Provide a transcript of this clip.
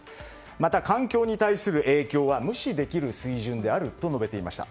また、環境に対する影響は無視できる水準であると述べていました。